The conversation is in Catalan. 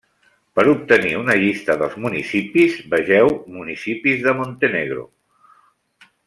Per obtenir una llista dels municipis, vegeu municipis de Montenegro.